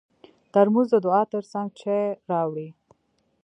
ترموز د دعا تر څنګ چای راوړي.